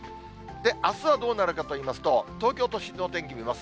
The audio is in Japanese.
あすはどうなるかといいますと、東京都心のお天気見ます。